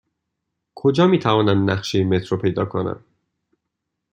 کجا می توانم نقشه مترو پیدا کنم؟